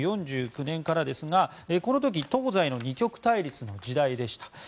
１９４９年からですがこの時、東西の二極対立の時代でした。